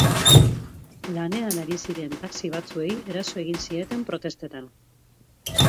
Lanean ari ziren taxi batzuei eraso egin zieten protestetan.